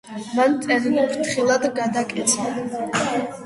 მან წერილი ფრთხილად გადაკეცა.